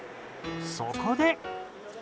そこで。